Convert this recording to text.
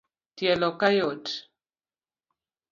Tielo kayot